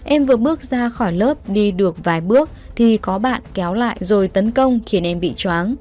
em vừa bước ra khỏi lớp đi được vài bước thì có bạn kéo lại rồi tấn công khiến em bị chóng